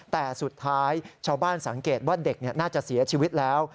แต่สุดท้ายชาวบ้านสังเกตว่าเด็กน่าจะเสียชีวิตแล้ว